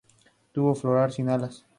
Tubo floral sin alas.